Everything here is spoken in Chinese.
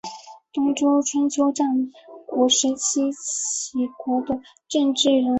东周春秋战国时期齐国的政治人物。